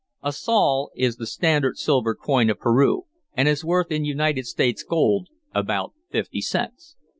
(A sol is the standard silver coin of Peru, and is worth in United States gold about fifty cents.)